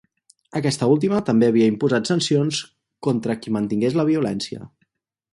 Aquesta última també havia imposat sancions contra qui mantingués la violència.